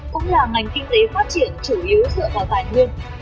cũng là ngành kinh tế phát triển chủ yếu dựa vào tài nguyên